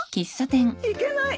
いけない！